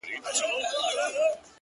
څه مسافره یمه خير دی ته مي ياد يې خو،